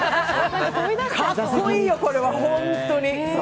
かっこいいよ、これはホントに！